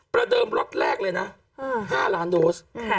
ประเดิมล็อตแรกเลยนะ๕ล้านโดส